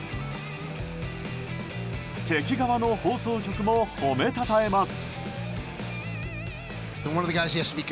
敵側の放送局も褒めたたえます。